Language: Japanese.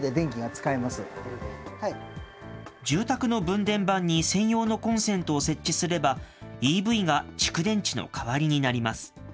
住宅の分電盤に専用のコンセントを設置すれば、ＥＶが蓄電池の代わりになります。